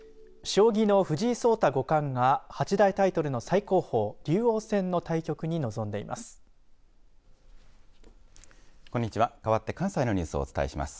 将棋の藤井聡太五冠が八大タイトルの最高峰竜王戦の対局に臨んでいます。